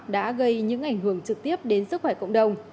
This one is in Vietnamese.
đã gây những ảnh hưởng trực tiếp đến sức khỏe cộng đồng